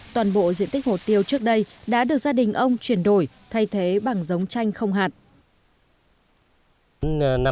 toàn bộ diện tích hồ tiêu trước đây đã được gia đình ông chuyển đổi thay thế bằng giống chanh không hạn